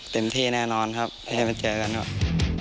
ที่แน่นอนครับให้มาเจอกันครับ